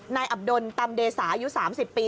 อับดลตำเดสาอายุ๓๐ปี